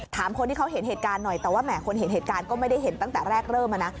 ถามคนที่เขาเห็นเหตุการณ์หน่อยแต่ว่าแหมคนเห็นเหตุการณ์ก็ไม่ได้เห็นตั้งแต่แรกเริ่มอะนะ